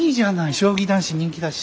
将棋男子人気だし。